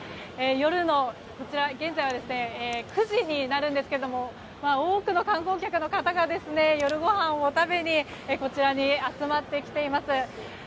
夜の９時になるんですが多くの観光客の方が夜ごはんを食べにこちらに集まってきています。